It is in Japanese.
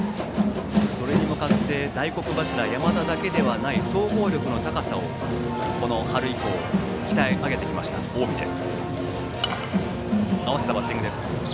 それに向かって大黒柱山田だけではない総合力の高さを春以降鍛え上げてきた近江です。